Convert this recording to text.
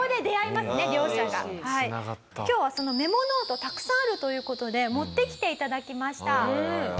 今日はそのメモノートたくさんあるという事で持ってきて頂きました。